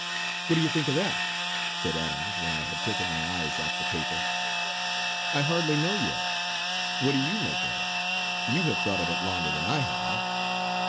"What do you think of that?" said Adams when I had taken my eyes off the paper. "I hardly know yet. What do you make of it? You have thought of it longer than I have."